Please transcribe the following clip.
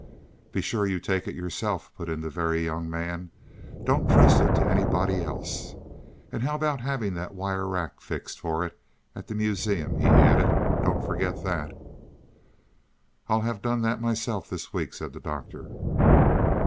"Be sure you take it yourself," put in the Very Young Man. "Don't trust it to anybody else. And how about having that wire rack fixed for it at the Museum," he added. "Don't forget that." "I'll have that done myself this week," said the Doctor.